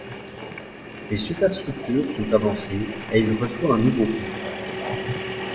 Ses superstructures sont avancées et il reçoit un nouveau pont.